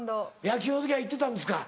野球の時は行ってたんですか？